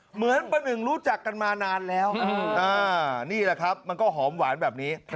เหมือนประหนึ่งรู้จักกันมานานแล้วนี่แหละครับมันก็หอมหวานแบบนี้